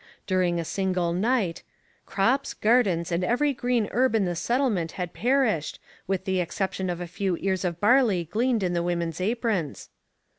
During a single night, 'crops, gardens, and every green herb in the settlement had perished, with the exception of a few ears of barley gleaned in the women's aprons.'